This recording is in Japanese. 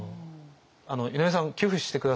井上さん寄付して下さいと。